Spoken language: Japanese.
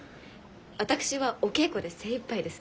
私はお稽古で精いっぱいですので。